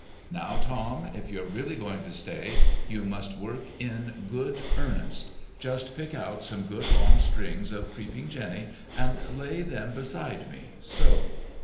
"Now, Tom, if you're really going to stay you must work in good earnest. Just pick out some good long strings of 'creeping Jenny' and lay them right beside me so!"